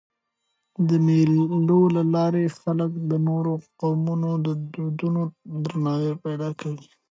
د مېلو له لاري خلک د نورو قومونو دودونو ته درناوی پیدا کوي.